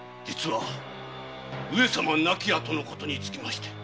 実は上様亡き後のことにつきまして。